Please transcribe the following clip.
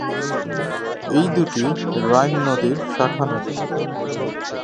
এই দুটি রাইন নদীর শাখা নদী।